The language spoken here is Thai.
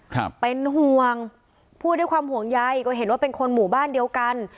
ครับเป็นห่วงพูดด้วยความห่วงใยก็เห็นว่าเป็นคนหมู่บ้านเดียวกัน